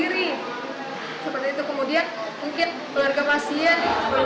seperti itu kemudian mungkin keluarga pasien